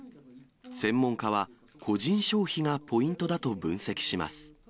専門家は、個人消費がポイントだと分析します。